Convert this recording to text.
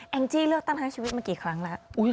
งจี้เลือกตั้งทั้งชีวิตมากี่ครั้งแล้ว